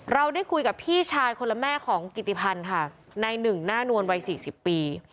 เราได้คุยกับพี่ชายคนละแม่ของกิติพันธ์ค่ะนายหนึ่งหน้านวลวัย๔๐ปี